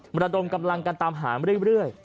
ระดมกำลังกันตามหามาเรื่อย